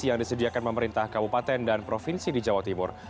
yang disediakan pemerintah kabupaten dan provinsi di jawa timur